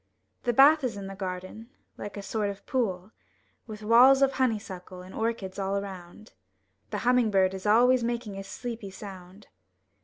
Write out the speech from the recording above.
The bath is in the garden, Uke a sort of pool. With walls of honey suckle and orchids all around. The humming bird is always making a sleepy sound.